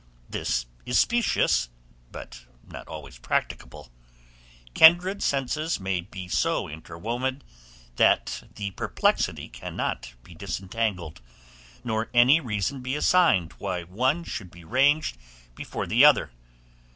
This is specious, but not always practicable; kindred senses may be so interwoven, that the perplexity cannot be disentangled, nor any reason be assigned why one should be ranged before the other.